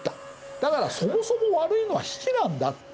だからそもそも悪いのは比企なんだ」って。